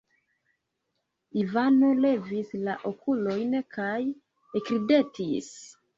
Ivano levis la okulojn kaj ekridetis.